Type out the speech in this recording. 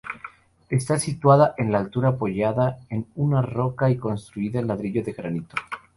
Está situada en altura, apoyada en una roca y construida en ladrillo y granito.